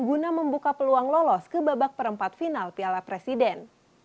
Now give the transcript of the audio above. guna membuka peluang lolos ke babak perempat final piala presiden